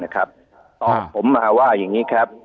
ตอบผมมาว่าอย่างนี้ครับ